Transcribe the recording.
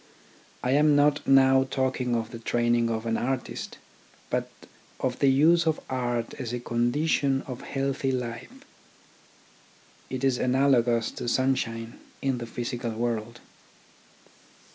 I am not now talking of the training of an artist, but of the use of art as a condition of healthy life. It is analogous to sunshine in the physical world.